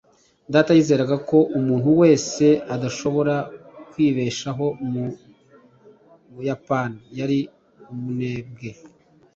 data yizeraga ko umuntu wese udashobora kwibeshaho mu buyapani yari umunebwe